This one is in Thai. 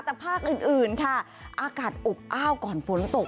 แต่ภาคอื่นค่ะอากาศอบอ้าวก่อนฝนตก